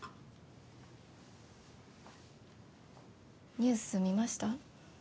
ニュース見ました？